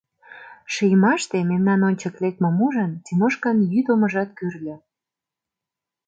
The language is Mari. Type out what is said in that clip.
Шиймаште мемнан ончык лекмым ужын, Тимошкан йӱд омыжат кӱрльӧ.